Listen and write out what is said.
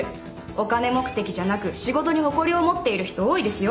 お金目的じゃなく仕事に誇りを持っている人多いですよ。